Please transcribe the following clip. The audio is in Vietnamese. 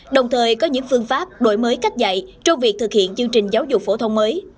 đồng thời có những phương pháp đổi mới cách dạy trong việc thực hiện chương trình giáo dục phổ thông mới